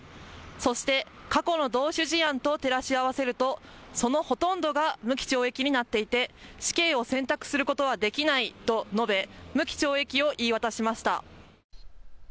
そして過去の同種事案と照らし合わせるとそのほとんどが無期懲役になっていて死刑を選択することはできないと述べ、無期懲役を言い渡しました。